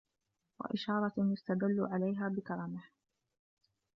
وَإِشَارَةٍ يُسْتَدَلُّ عَلَيْهَا بِكَرْمِهِ